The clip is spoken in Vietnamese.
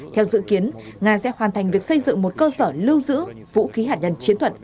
theo dự kiến nga sẽ hoàn thành việc xây dựng một cơ sở lưu giữ vũ khí hạt nhân chiến thuật